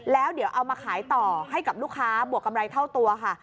แล้วเดี๋ยวเอามาขายต่อให้กับลูกค้าบวกกำไรเท่าตัวค่ะ